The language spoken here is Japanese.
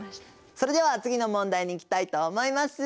それでは次の問題にいきたいと思います。